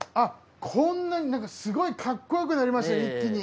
こんなすごいかっこよくなりました一気に。